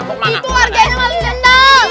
itu warganya mas jendel